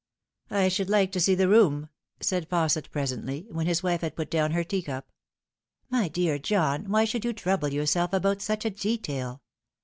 " I should like to see the room," said Fausset presently, when his wife had put down her teacup. "My dear John, why should you trouble yourself about such a detail